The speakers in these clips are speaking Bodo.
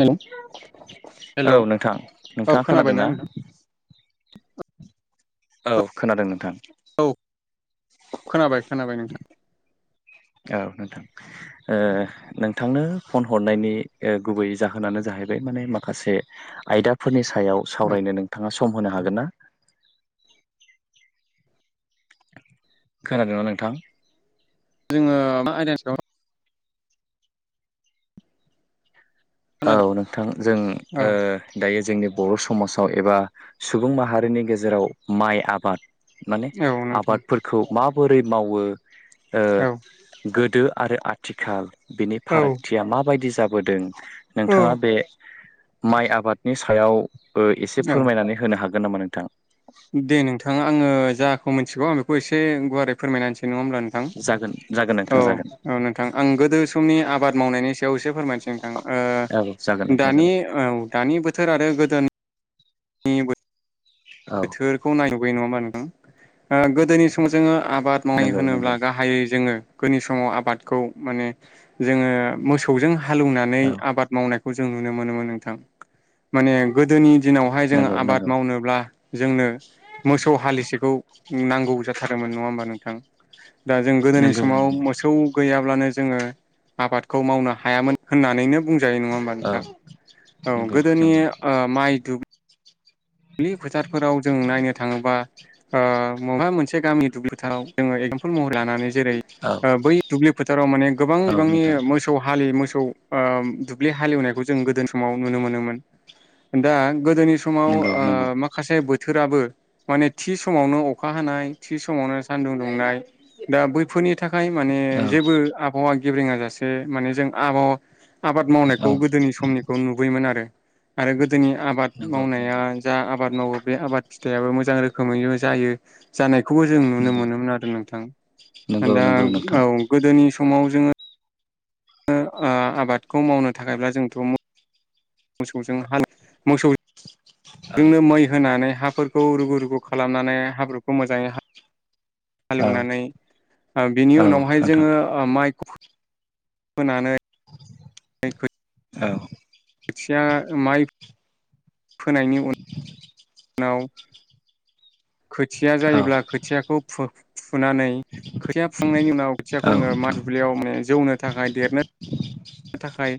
हेल' औ नोंथां नोंथाङा खोनादों खोनाबायना ना? नोंथां औ खोनादों नोंथां। औ खोनाबाय खोनाबाय नोंथां। औ नोंथां। ओ नोंथांनो फन हरनायनि गुबै जाहोनानो जाहैबाय माने माखासे आयदाफोरनि सायाव औ सावरायनो नोंथाङा सम होनो हागोन ना? खोनादोंना नोंथां? जोङो मा आयदानि सायाव औ खोनादों नोंथां जों औ दायो। जोंनि बर' समाजाव एबा सुबुं माहारिनि गेजेराव माइ आबाद। माने औ नोंथां आबादफोरखौ माबोरै मावो औ गोदो आरो आथिखाल बिनि औ फारागथिया माबायदि जाबोदों। औ नोंथाङा बे माइ आबादनि सायाव एसे औ फोरमायनानै होनो हागोन। गोननामा नोंथां दे नोंथां आङो जाखौ मिथिगौ आं बेखौ एसे गुवारै फोरमायनानै सै नङा होमब्ला नोंथां जागोन जागोन औ नोंथां जागोन औ नोंथां आं गोदो समनि आबाद मावनायनि बेयावसे फोरमायनोसै औ जागोन नोंथां नोंथां दानि जागोन औ दानि बोथोर आरो गोदो ए बो औ थोरखौ नायनोुबैयो नङा होमबा नोंथ गोदोनि समाव जोङो आबाद मावनाय नंगौ होनोब्ला नंगौ गाहायै जोङो गोदनि समाव आबादखौ माने जोङो मोसौ थौजों हालौवनानै औ आबाद मावनायखौ जों नुनो मोनोमोन नोंथां माने गोदोनि दिनावहाय जोङो नंगौ आबाद नंगौ मावनोब्ला जोंनो मोसौ हालिसेखौ नांगौ जाथार नङा होमबा नोंथां दा जों गोदोनि नंगौ समाव नंगौ मोसौ गैयाब्लानो जोङो आबादखौ मावनो हायामोन होननानैनो बुं ज नङा हबा औ नोंथां औ नंगौ गोदोनि नंगौ ओ माइ दुब्लि फोथारफोराव जों नायनो थाङोब्ला ओ माबा मोनसे गामि दुब्लि फोथाराव जोंङो एक्जामपोल महर लानानै जेरै औ बै दुब्लि फोथाराव माने गोबां औ बिबांनि नोंथां मोसौ हालि मोसौ खौ उम दुब्लि हालेवनायखौ जों गोदो समाव नुनो मोनोमोन दा गोदोनि समाव नंगौ नंगौ ओ माखासे बोथोराबो माने थि समावनो अखा हानाय थि समावनो सानदुं दुंनाय दा बैफोरनि थाखाय माने औ जेबो आबहावा गेब्रेङ जासे माने जों आबहावा आबाद मावनायखौ औ गोदोनि समनिखौ नुयोमोन आरो गोदोनि आबाद नंगौ मावनाया नंगौ जा आबाद मावो बे आबाद फिथाइाबो मोजां रोखोमैनो जायो जानाय खौबो जों नुनो नंगौ मोनोमोन आरो नंगौ नोंथां दा नंगौ नोंथां औ गोदोनि समाव जोङो ओ आबादखौ मावनो थाखायब्ला जोंथ' औ मोसौजोंनो मै होनानै हाफोरखौ रुगु रुगु खालामनानै हाब्रुखौ मोजांङै हा औ हालेवनानै बेनि औ उनावहाय नोंथां जोङो ओ माइखौ होनानै [unintelligible] औ बथिया माइ [unintelligible] फोनायनि उनाव नाव खोथिया औ जायोब्ला खोथियाखौ फु फुनानै खोथिया फुखांनायनि उनाव औ खोथियाखौ जोङो मइ नोंथां दुब्लियाव माने जौनो थाखाय देरनो थाखाय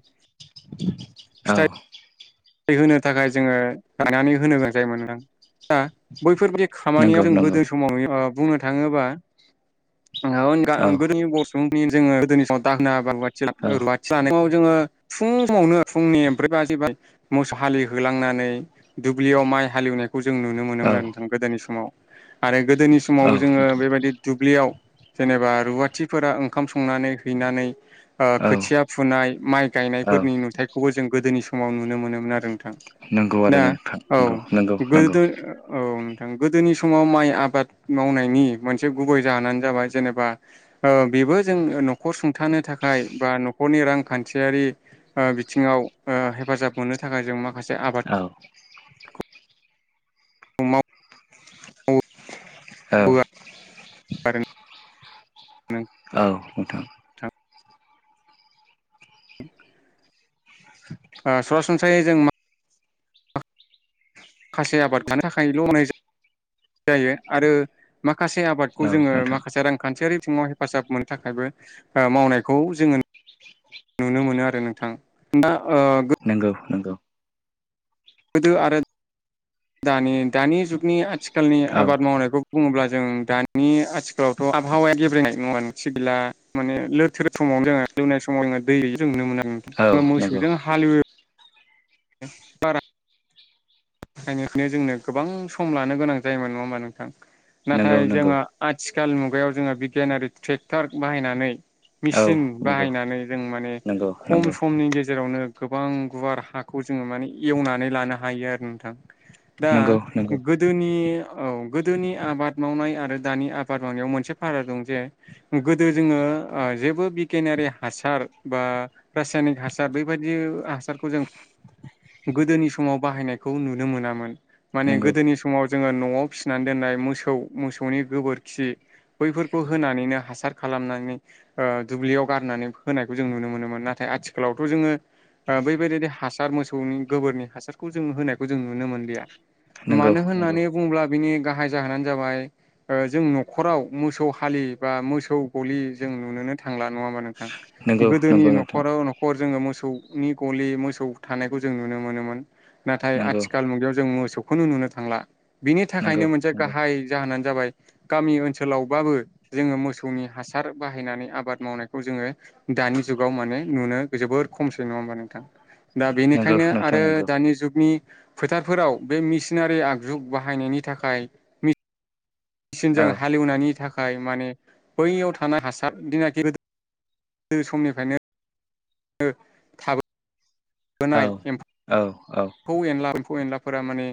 औ दै होनो थाखाय जोङो लायनानै होनो गोनां जायोमोन नोंथां। दा बैफोरबायदि खामानियाव नंगौ जों नंगौ गोदो समाव ओ बुंनो थाङोबा औ [unintelligible] [unintelligible] मोसौ हालिहोलांनानै दुब्लियाव माइ हालेवनायखौ जों नुनो औ मोनोमोन आरो नोंथां गोदोनि समाव। आरो गोदोनि समाव जोंङो औ बेबायदि दुब्लियाव जेनेबा रुवाथिफोरा ओंखाम संनानै हैनानै ओ खोथिया फुनाय माइ औ गायनायफोरनि नुथायखौबो जों गोदोनि समाव नुनो मोनोमोन आरो। नंगौ आरो दा नोंथां औ नंगौ नंगौ नंगौ गोदोथ' औ [unintelligible] गोदोनि समाव माइ आबाद मावनायनि मोनसे गुबै जाहोनानो जाबाय जेनेबा उम बेबो जों न'खर सुंथानो थाखाय बा न'खरनि रांखान्थियारि ओ बिथिङाव ओ ओ हेफाजाब मोननो थाखाय जों माखासे आबाद औ मावो [inaudible] औ आरो नोंथां औ नोंथां। ए [unintelligible] ओ सरासनस्रायै जों माखासे आबाद थानो थाखायल' [unintelligible] जायो आरो माखासे आबादखौ औ जोङो नोंथां माखासे रांखान्थियारि बिथिङाव हेफाजाब मोननो थाखायबो ओ मावनायखौ जोङो नुनो मोनो आरो नोंथां दा ओ नंगौ नंगौ। गोदो आरो दानि [inaudible] दानि जुगनि आथिखालनि औ आबाद मावनायखौ बुङोब्ला जों दानि आथिखालावथ' आबहावाया गेब्रेनाय [unintelligible] गैला माने लोरथोर सम समाव औ [unintelligible] नंगौ मोसौजों हालेवो बारा ओंखायनो जोंनो गोबां सम लानो गोनां जायोमोन नङा होमबा नोंथां? नंगौ नाथाय नंगौ जोङो आथिखाल मुगायाव जोङो बिगियानारि थेक्टार बाहायनानै औ मेसिन नंगौ बाहायनानै जों माने नंगौ खम समनि गेजेरावनो गोबां गुवार हाखौ जोङो माने एवनानै लानो हायो आरो। दा नंगौ नंगौ गोदोनि औ गोदोनि आबाद मावनाय आरो दानि आबाद मावनायाव मोनसे भाराक दं जे गोदो जोङो जेबो बिगियानारि हासार बा रासायनिक हासार बेबाददि हासारखौ जों गोदोनि समाव बाहायनायखौ नुनो मोनोन माने नंगौ गोदोनि समाव जोङो न'आव फिसिनानै दोननाय मोसौ मोसौनि गोबोरखि बैफोरखौ होनानैनो हासार खालामनानै ओ दुब्लियाव गारनानै होनायखौ जों नुनो मोनोमोन नाथाय आथिखालावथ' जोङो ओ बैबायदिनो हासार मोसौनि गोबोरनि हासारखौ जो होना खौ जों नुनो मोनलिया नंगौ नंगौ मानो होननानै बुङोब्ला बिनि गाहाय जाहोनानो जाबाय जों न'खराव मोसौ हालि बा मोसौ गलि जों नुुनोनो थां थांला नङा नोंथां? नंगौ गोदोनि नंगौ नोंथां न'आव न'खर जोङो मोसौनि गलि मोसौ थानायखौ जों नुनो मोनोमोन। नाथाय नांगौ आथिखाल जों मोसौखौनो नुनो थांला बिनि थाखायनो नंगौ मोनसे नंगौ गाहाय जो होनानो जाबाय गामि ओनसोलावबाबो जोङो मोसौनि हासार बाहायनानै आबाद मावनायखौ जोङो दानि जुगाव माने नुनो जोबोर खमसै नङा होमबा नोंथां? दा नंगौ बेनिखायनो नोंथां आरो नंगौ दानि जुगनि फोथारफोराव बे मेसिनारि आगजु बाहायनायनि थाखाय मेसिनजों औ हालेवनायनि थाखाय खाय माने बैयाव थानाय हासार दिनाखि गो गोदो समनिफ्रायनो [unintelligible] औ थाबोनाय औ औ एम्फौ एनला एम्फौ एनलाफोरा माने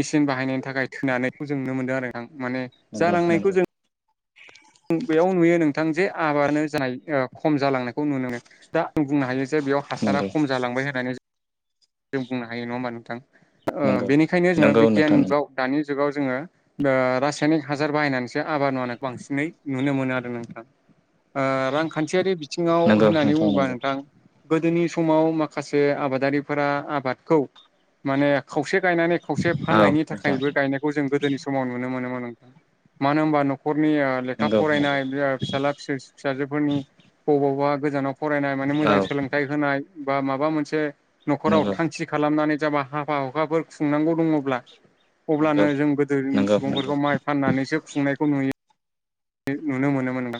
मेसिन बाहायनायनि थाखाय थोनानैखौ जों नुनो मोनदों आरो नोंथां माने नंगौ जालांनायखौ नंगौ जों [inaudible] बेयाव नुयो नोंथां जे आबादानो जानाय ओ खम जालांनायखौ नुनो मोनो दा आं बुंनो हायो बेयाव हासारा नंगौ खम जालांबाय होननानै जों बुंनो हायो नङा होमबा नोंथां ओ नंगौ बेनिखायनो जोङो नंगौ बिगियान नोंथां जुगाव दानि जुगाव जोङो ओ रासायनिक हासार बाहायनानैसो आबाद मावनायखौ बांसिनै नुनो मोनो आरो नोंथाङा। ओ रांखान्थियारि बिथिङाव नंगौ होननानै बुङोबा नंगौ नोंथां। गोदोनि समाव माखासे आबादारिफोरा आबादखौ माने खावसे गायनानै खौसे औ फाननायनि नोंथां थाखायबो गायनायखौ जों गोदोनि समाव नुनो मोनोमोन नोंथां मानो होनबार न'खरनि लेखा नंगौ नंगौ फरायनाय बे फिसाला फिसाजोफोरनि बबावबा गोजानाव फरायनाय माने औ मोजां सोलोंथाइ होनाय बा माबा मोनसे न'खराव नंगौ थांखि खालामनानै जाबा हााबा हुखाफोर खुंनांगौ दङब्ला नंगौ अब्लानो जों गोदोनि नंगौ नंगौ सुबुंफोरखौ माइ फाननानैसो खुंनायखौ नुयो। नुनो मोनोमोन नामा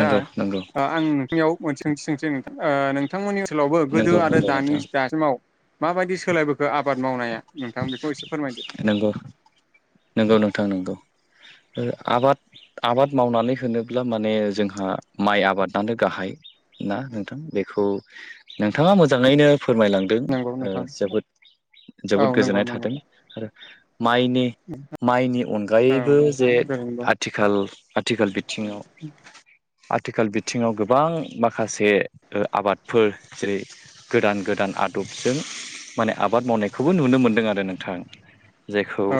दा नंगौ आं नोंथांनियाव सोंथि सोंसै नोंथां नोंथांमोननि ओनसोलावबो नंगौ गोदो आरो दानि नोंथां दासिमाव माबायदि सोलायबो बे आबाद मावनाया नोंथां बेखौ एसे फोरमायदो। नंगौ नंगौ नोंथां [inaudible] आबाद आबाद मावनानै होनोब्ला माने जोंहा माइ आबादानो गाहाय ना नोंथां बेखौ नोंथाङा मोजाङैनो। फोरमायलांदों नंगौ ओ नोंथां जोबोद जोबोद औ नंगौ गोजोननाय नंगौ थादों आरो माइनि माइनि औ अनगायैबो जे नोंथां गोरोंबो आथिखाल आथिखाल बिथिङाव आथिखाल बिथिङाव गोबां माखासे आबादफोर जेरै गोदान गोदान। आदबजों माने आबाद मावनाय खौबो नुनो मोनदों आरो नोंथां जायखौ औ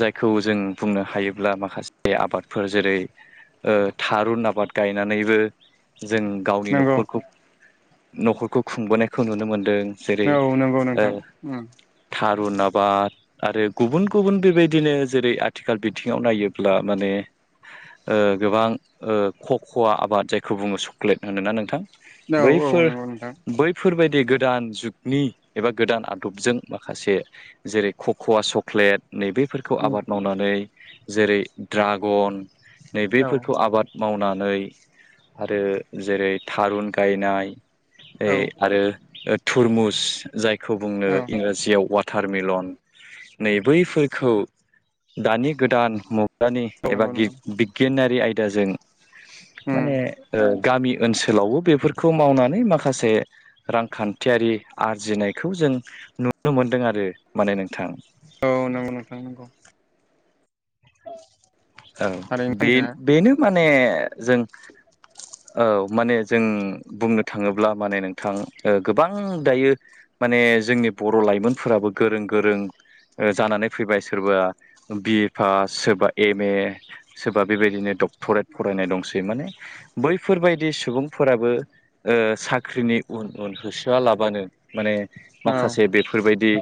जायखौ जों बुंनो हायोब्ला माखासे आबादफोर जेरै ओ थारुन आबाद गायनानैबो जों गावनि नंगौ नंगौ न'खरखौ न'खरखौ खुंबोनायखौ नुनो मोन्दों। औ नंगौ नोंथां उम थारुन आबाद आरो गुबुन गुबुन बेबायदिनो जेरै आथिखाल बिथिङाव नायोब्ला माने ओ गोबां ओ ख ख'वा आबाद जायखौ बुङो सक्लेट होनोना नोंथां? औ औ बैफोर नंगौ नोंथां बैफोरबायदि गोदान जुगनि एबा गोदान आदबजों माखासे जेरै खख'व चक्लेट नैबेफोरखौ उम आबाद मावनानै जेरै ड्रागन औ नैबेफोरखौ आबाद मावनानै ऐ आरो जेरै थारुन ऐ गायनाय औ औ आरो ओ थुरमुस जायखौ बुंनो इंराजियाव वार्ड टारमिलन नै बैफोरखौ दानि गोदान मु आदानि एबा नंगौ नोंथां बिगियानारि आयदाजों उम माने ओ गामि ओनसोलावबो बेफोरखौ मावनानै माखासे रांखान्थियारि आरजिनाय। खौ जों नुनो मोनदों आरो माने नोंथां। औ नंगौ नोंथांनो नोंगौ। औ थारैनो बे बुंनाया बेनो माने जों औ माने जों बुंनो थाङोब्ला माने नोंथां ओ गोबां दायो माने जोंनि बर' लाइमोनफोराबो गोरों गोरों जानानै फैबाय सोरबा बिफ ओ सोरबा एम ए सोरबा बेबायदिनो डक्टरेट फरायनाय दंसै माने बैफोर बेफोरबायदि सुबुंफोराबो ओ साख्रिनि उन उन होसोआलाबानो माने औ माखासे बेफोरबायदि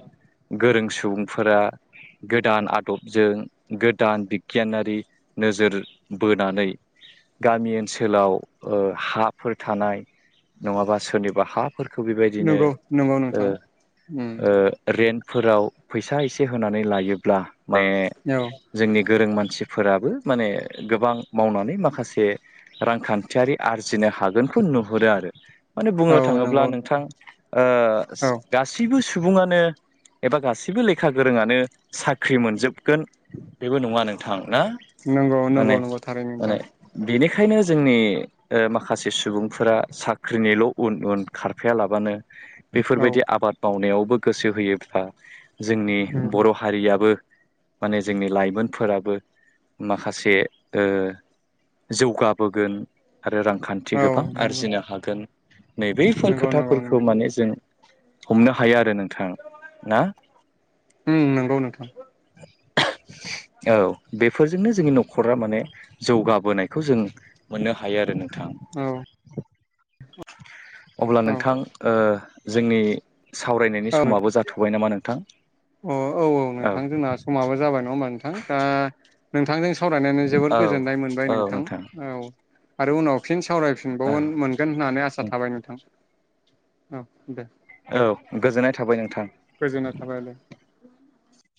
गोरों सुबुंफोरा गोदान आदबजों गोदान बिगियानारि नोजोर बोनानै गामि ओनसोलाव ओ हाफोर थानाय नङाबा सोरनिबा हाफोर खौ बेबायदिनो नंगौ नंगौ ओ नोंथां उम ओ रेन्ट फोराव फैसा एसे होनानै लायोब्ला माने औ जोंनि गोरों मानसि मानसिफोराबो माने गोबां मावनानै माखासे रांखान्थियारि आरजिनो हागोन खौ नुहोरो आरो माने बुंनो औ थाङोब्ला नंगौ नोंथां ओ औ गासिबो सु सुबुङानो एबा गासिबो लेखा गोरोंङानो साख्रि मोनजोबगोन बेबो नङा नोंथां ना नंगौ माने नंगौ नंगौ थारैनो माने नोंथां बेनिखायनो जोंनि ओ माखासे सुबुंफोरा साख्रिनिल' उन उन खारफाया लाबानो [inaudible] औ बेफोरबायदि आबाद मावनायावबो गोसो होयोब्ला जोंनि नंगौ बर' हारियाबो माने जोंनि लाइमोनफोराबो माखासे ओ जौगाबोगोन आरो रांखान्थि औ गोबां नंगौ आरजिनो हागोन। नै बैफोर नंगौ नंगौ खोथाफोरखौ नोंथां माने जों हमनो हायो आरो नों उम नंगौ नोंथां। [unintelligible] औ बेफोरजोंनो जोंनि न'खरा माने जौगाबोनायखौ जों मोननो हायो आरो नोंथां। औ अब्ला औ नोंथां ओ जोंनि सावरायनायनि औ समाबो जाथ'बाय नामा नोंथां? अ औ औ नोंथां जोंना समाबो जाबाय नङा होमबा नोंथां दा नोंथांजों सावरायनानै जोबोर औ गोजोननाय मोनबाय नोंथां औ आरो उनाव फिन औ सावरायफिनबावनो मोनगोन होननानै आसा थाबाय नोंथां औ। दे औ गोजोननाय थाबाय नोंथां गोजोननाय थाबाय दे।